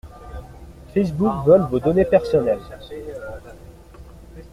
Facebook vole nos données personnelles.